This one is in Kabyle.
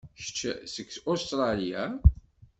Kečč seg Ustṛalya?